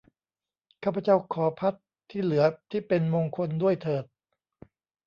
ข้าพเจ้าขอภัตต์ที่เหลือที่เป็นมงคลด้วยเถิด